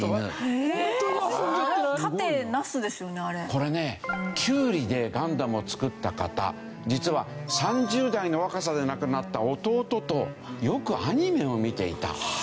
これねキュウリでガンダムを作った方実は３０代の若さで亡くなった弟とよくアニメを見ていた。